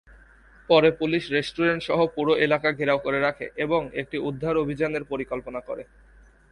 পরে police restaurant সহ পুরো এলাকা ঘেরাও করে রাখে এবং একটি উদ্ধার অভিযানের পরিকল্পনা করে।